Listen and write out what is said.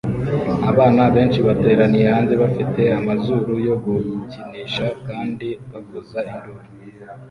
Abana benshi bateraniye hanze bafite amazuru yo gukinisha kandi bavuza induru